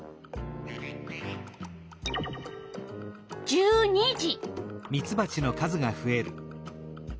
１２時。